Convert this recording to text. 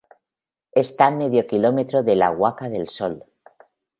Está a medio kilómetro de la Huaca del Sol.